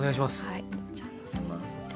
はいじゃあのせます。